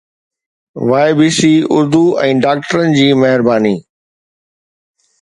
YBC Urdu ۽ ڊاڪٽرن جي مهرباني